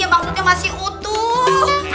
iya maksudnya masih utuh